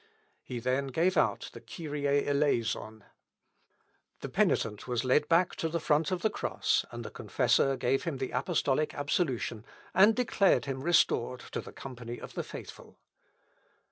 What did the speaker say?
He then gave out the Kyrie Eleison. The penitent was led back to the front of the cross, and the confessor gave him the apostolic absolution, and declared him restored to the company of the faithful.